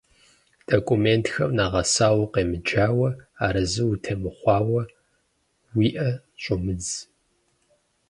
Документхэм нэгъэсауэ укъемыджауэ, арэзы утемыхъуауэ, уи ӏэ щӏумыдз.